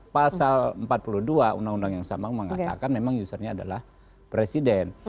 pasal empat puluh dua undang undang yang sama mengatakan memang usernya adalah presiden